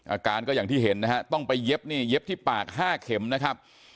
อาการก็อย่างที่เห็นนะฮะต้องไปเย็บนี่เย็บที่ปาก๕เข็มนะครับ